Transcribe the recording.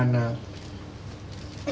kita ingin kumpulkan mereka